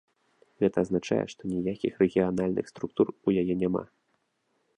Гэта азначае, што ніякіх рэгіянальных структур у яе няма.